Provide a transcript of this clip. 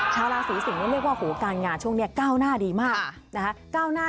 ชาวราศีสิงศ์เรียกว่าการงานช่วงนี้ก้าวหน้าดีมากนะคะ